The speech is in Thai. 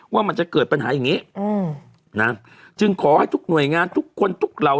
ว่ามันจะเกิดปัญหาอย่างนี้นะจึงขอให้ทุกหน่วยงานทุกคนทุกเหล่า